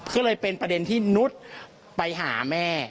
ก็เลยเป็นประเด็นที่นุษย์ไปหาแม่